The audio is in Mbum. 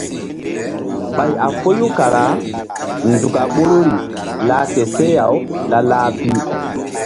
Ɓay a foyu kara nzuk a ɓoruri lah ke seh-aw la-lah pi.